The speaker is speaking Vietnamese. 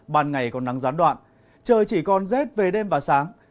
bàn ngày còn nắng gián đoạn trời chỉ còn rét về đêm và sáng